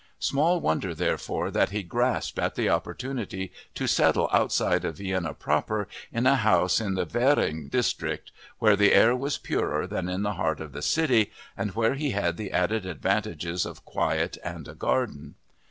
Small wonder, therefore, that he grasped at the opportunity to settle outside of Vienna proper in a house in the Waehring district, where the air was purer than in the heart of the city and where he had the added advantages of quiet and a garden.